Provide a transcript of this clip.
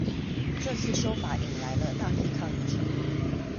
這次修法引來了大批抗議者